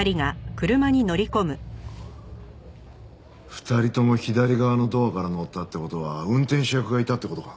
２人とも左側のドアから乗ったって事は運転手役がいたって事か。